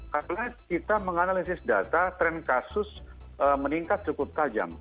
karena kita menganalisis data tren kasus meningkat cukup tajam